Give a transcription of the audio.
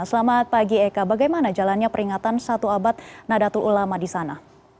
selamat pagi eka bagaimana jalannya peringatan satu abad nadatul ulama di sana